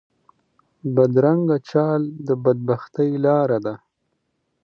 بدرنګه چال د بد بختۍ لاره ده